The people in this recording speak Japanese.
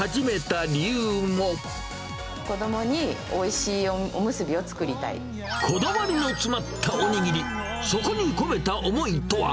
子どもにおいしいおむすびをこだわりの詰まったおにぎり、そこに込めた思いとは。